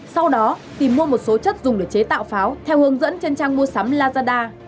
sau đó tìm mua một số chất dùng để chế tạo pháo theo hướng dẫn trên trang mua sắm lazada